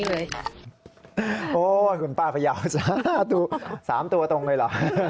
โอ้โหคุณป้าพยาว๓ตัวตรงเลยเหรอ